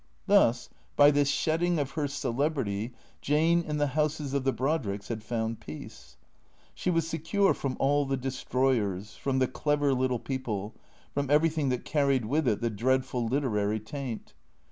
Thus, by this shedding of her celebrity, Jane in the houses of the Brodricks had found peace. She was secure from all the destroyers, from the clever little people, from everything that carried with it the dreadful literary taint.